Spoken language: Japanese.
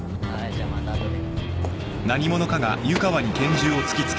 じゃあまた後で